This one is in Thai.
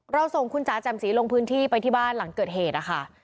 ส่งคุณจ๋าแจ่มสีลงพื้นที่ไปที่บ้านหลังเกิดเหตุนะคะ